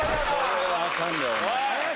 これはアカンで。